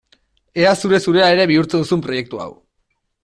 Ea zure-zurea ere bihurtzen duzun proiektu hau!